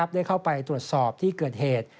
ได้เข้าไปตรวจสอบที่เกิดเหตุ